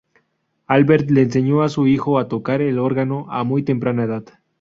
Albert le enseño a su hijo a tocar el órgano a muy temprana edad.